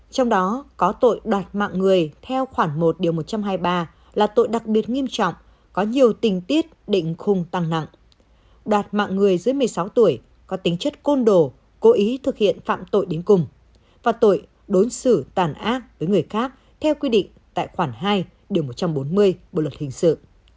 trong đó có tội đoạt mạng người theo khoảng một điều một trăm hai mươi ba là tội đặc biệt nghiêm trọng có nhiều tình tiết định khung tăng nặng đoạt mạng người dưới một mươi sáu tuổi có tính chất côn đồ cố ý thực hiện phạm tội đến cùng và tội đối xử tàn ác với người khác theo quy định tại khoảng hai điều một trăm bốn mươi bộ luật hình sự